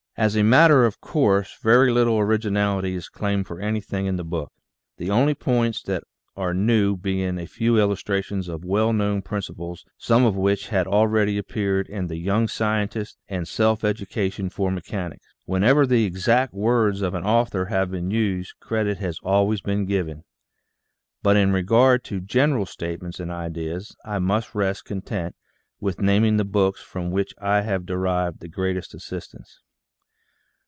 As a matter of course, very little originality is claimed for anything in the book, the only points that are new being a few illustrations of well known principles, some of which had already appeared in "The Young Scientist " and " Self education for Mechanics." Whenever the exact words of an author have been used, credit has always been given ; but in regard to general statements and ideas, I must rest content with naming the books from which I have derived the greatest assistance.